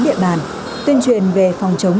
địa bàn tuyên truyền về phòng chống